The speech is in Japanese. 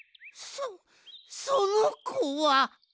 そそのこは！